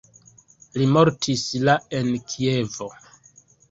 Li mortis la en Kievo.